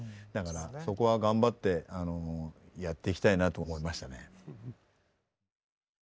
そこは頑張ってやっていきたいなと思いましたね。